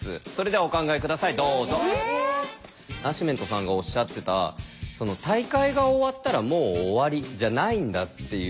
ナシメントさんがおっしゃってた大会が終わったらもう終わりじゃないんだっていう。